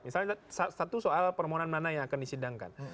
misalnya satu soal permohonan mana yang akan disidangkan